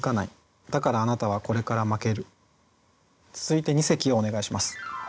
続いて二席をお願いします。